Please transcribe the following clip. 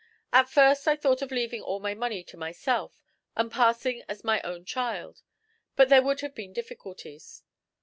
At first I thought of leaving all my money to myself and passing as my own child, but there would have been difficulties.